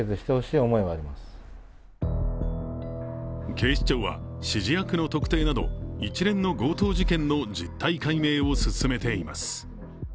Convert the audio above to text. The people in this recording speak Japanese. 警視庁は指示役の特定など一連の強盗事件の実態解明を進めています。